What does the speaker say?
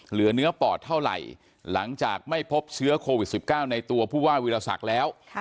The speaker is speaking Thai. เหลือเนื้อปอดเท่าไหร่หลังจากไม่พบเชื้อโควิด๑๙ในตัวผู้ว่าวิรสักแล้ว